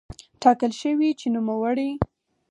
ټاکل شوې چې نوموړی